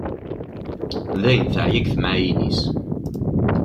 D ayen teɛya deg temɛayin-is.